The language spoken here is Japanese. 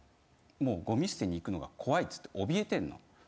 もうごみ捨てに行くのが怖いっつっておびえてんの。